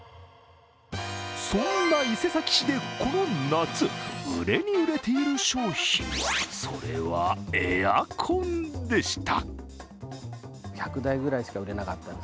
そんな伊勢崎市でこの夏、売れに売れている商品、それはエアコンでした。